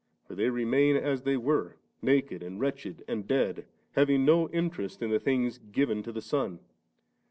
for they remain as they were, naked, and wretched, and dead, having no interest in the things given to the Son.